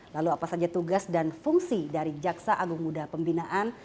lalu apa saja tugas dan fungsi dari jaksa agung muda pembinaan